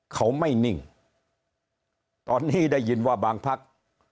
เขาไม่นิ่งตอนนี้ได้ยินว่าบางพัก